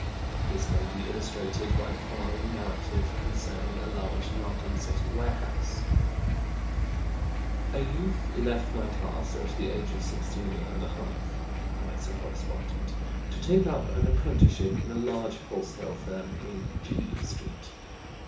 This may be illustrated by the following narrative concerning a large London city warehouse: "A youth left my class at the age of 16½," writes a correspondent, "to take up an apprenticeship in a large wholesale firm in G Street.